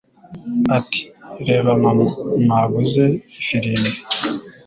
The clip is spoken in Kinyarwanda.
Ati: "Reba mama, naguze ifirimbi."